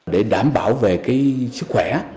để đảm bảo về sức khỏe